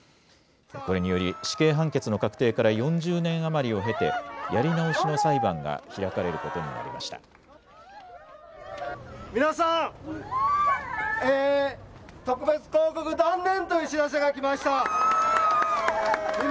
これにより、死刑判決の確定から４０年余りを経て、やり直しの裁皆さん、特別抗告断念という知らせが来ました。